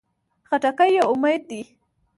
خټکی یو امید دی.